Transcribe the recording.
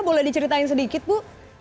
boleh diceritain sedikit ibu